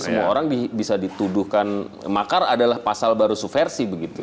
semua orang bisa dituduhkan makar adalah pasal baru suversi begitu